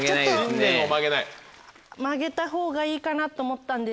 曲げたほうがいいかなと思ったんです。